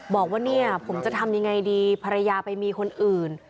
บอกว่าผมจะทำอย่างไรดีภรรยาไปมีคนอื่น